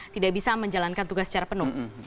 tidak bisa menjalankan tugas secara penuh